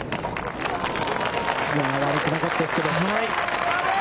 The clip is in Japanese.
悪くなかったですけど。